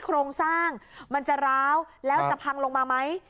โครงสร้างมันจะร้าวแล้วจะพังลงมาไหม